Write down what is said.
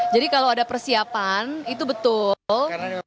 kalau ada persiapan itu betul